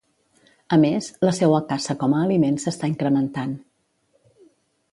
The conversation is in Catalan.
A més, la seua caça com a aliment s'està incrementant.